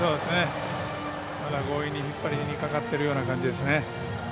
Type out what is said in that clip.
まだ強引に引っ張りにかかっている感じですね。